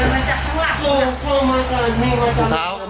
นายก็ไหนว่าหนึ่งคุณ